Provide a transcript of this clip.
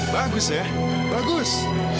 bagus ya bagus